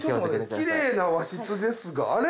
きれいな和室ですがあれ？